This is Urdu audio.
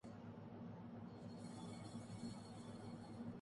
آپ نے بہت عمدہ پیراۓ میں زندگی کی حقیقتوں کو بیان کیا ہے۔